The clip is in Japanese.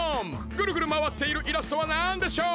ぐるぐるまわっているイラストはなんでしょう？